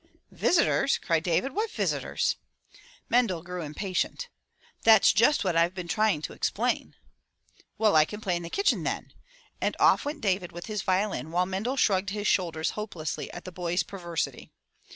'^Visitors!" cried David. What visitors?" Mendel grew impatient. "That's just what I've been trying to explain." "Well, I can play in the kitchen, then!" And off went David with his violin while Mendel shrugged his shoulders hopelessly at the boy's perversity.